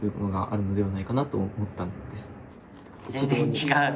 全然違う！